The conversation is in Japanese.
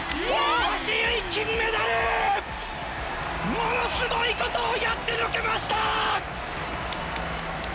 ものすごいことをやってのけました！